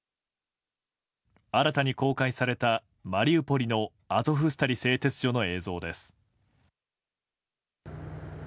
新たに公開されたマリウポリのアゾフスタリ製鉄所の映像です。